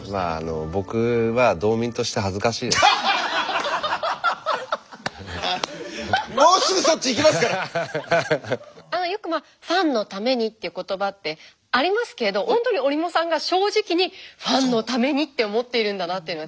僕はよくファンのためにっていう言葉ってありますけどほんとに折茂さんが正直にファンのためにって思っているんだなっていうのは。